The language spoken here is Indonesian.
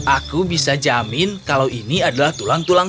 aku bisa jamin kalau ini adalah tulang tulang